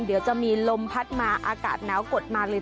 เดี๋ยวจะมีลมพัดมาอากาศหนาวกดมาเลย